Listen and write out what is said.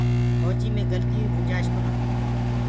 ڦوجي مي گلتيو ڪي گُنجآئيش ڪونآ۔